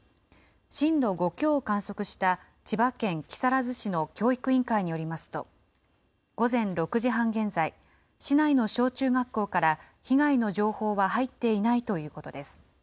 震度５強を観測した千葉県木更津市の教育委員会によりますと、午前６時半現在、市内の小中学校から被害の情報は入っていないということです。